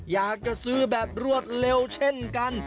อยากจะซื้อแบบรวดเร็วเช่นกัน